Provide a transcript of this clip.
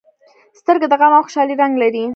سترګې د غم او خوشالۍ رنګ لري